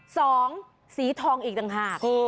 สีทองอีกต่างหาก